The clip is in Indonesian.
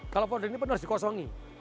kalau folder ini penuh harus dikosongi